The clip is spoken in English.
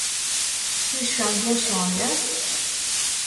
You shrug your shoulders?